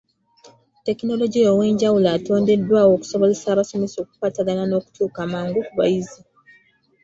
Tekinologiya ow'enjawulo atondeddwawo okusobozesa abasomesa okukwatagana n'okutuuka amangu ku bayizi.